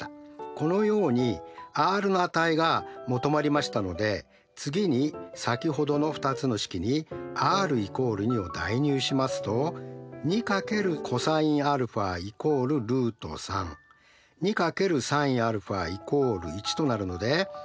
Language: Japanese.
このようにｒの値が求まりましたので次に先ほどの２つの式にｒ＝２を代入しますとそうするとαは何度ですか。